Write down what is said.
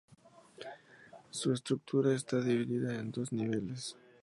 Su estructura está dividida en dos niveles.